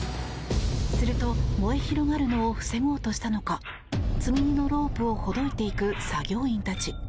すると、燃え広がるのを防ごうとしたのか積み荷のロープをほどいていく作業員たち。